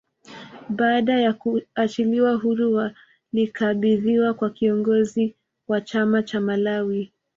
Baada ya kuachiliwa huru walikabidhiwa kwa kiongozi wa chama cha Malawi